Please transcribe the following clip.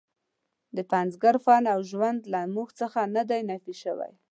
د پنځګر فن او ژوند له موږ نه دی نفي شوی.